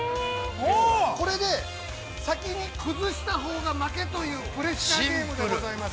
これで先に崩したほうが負けというプレッシャーゲームでございます。